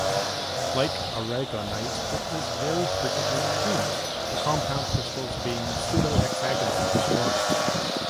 Like aragonite it is very frequently twinned, the compound crystals being pseudo-hexagonal in form.